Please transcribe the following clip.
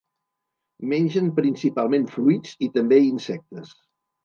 Mengen principalment fruits i també insectes.